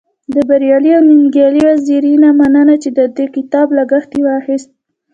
د بريالي او ننګيالي وزيري نه مننه چی د دې کتاب لګښت يې واخست.